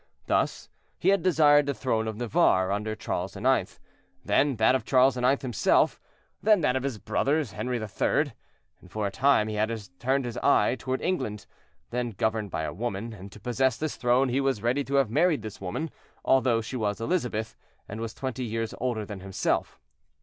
Thus he had desired the throne of Navarre under Charles IX., then that of Charles IX. himself, then that of his brother Henri III. For a time he had turned his eyes toward England, then governed by a woman, and to possess this throne he was ready to have married this woman, although she was Elizabeth, and was twenty years older than himself.